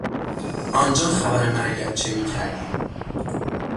آنجا خبر مرگت چه میکردی؟